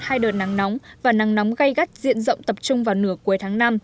hai đợt nắng nóng và nắng nóng gây gắt diện rộng tập trung vào nửa cuối tháng năm